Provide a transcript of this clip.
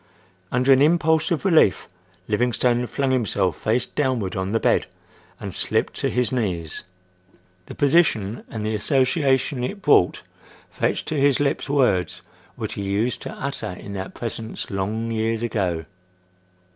Under an impulse of relief Livingstone flung himself face downward on the bed and slipped to his knees. The position and the association it brought fetched to his lips words which he used to utter in that presence long years ago.